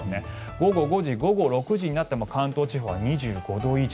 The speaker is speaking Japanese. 午後５時、午後６時になっても関東地方は２５度以上。